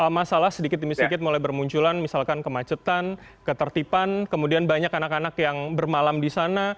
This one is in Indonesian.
masalah sedikit demi sedikit mulai bermunculan misalkan kemacetan ketertiban kemudian banyak anak anak yang bermalam di sana